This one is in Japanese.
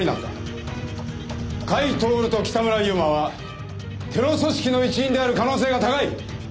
甲斐享と北村悠馬はテロ組織の一員である可能性が高い。